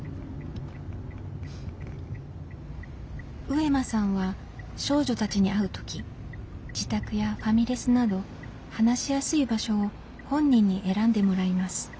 上間さんは少女たちに会う時自宅やファミレスなど話しやすい場所を本人に選んでもらいます。